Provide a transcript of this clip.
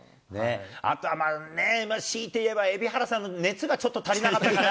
あと、しいて言えば、蛯原さんの熱がちょっと足りなかったかな。